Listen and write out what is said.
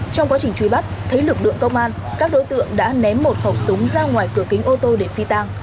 trong quá trình truy bắt thấy lực lượng công an các đối tượng đã ném một khẩu súng ra ngoài cửa kính ô tô để phi tang